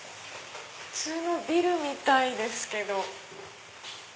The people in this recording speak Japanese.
普通のビルみたいですけど。